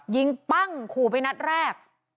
ปั้งขู่ไปนัดแรก